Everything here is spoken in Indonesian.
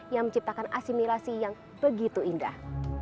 yang menciptakan asimilasi yang begitu indah